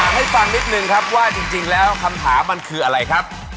ให้ฟังนิดนึงครับว่าจริงแล้วคำถามมันคืออะไรครับ